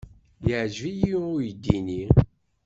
Yeɛjeb-iyi uydi-nni.